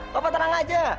papa tenang aja